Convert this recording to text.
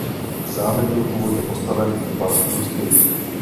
Zámek byl původně postaven v barokním stylu.